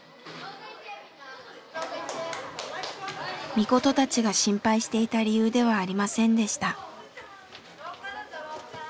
みことたちが心配していた理由ではありませんでした。